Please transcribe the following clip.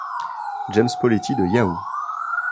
James Poletti de Yahoo!